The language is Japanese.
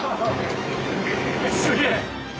すげえ！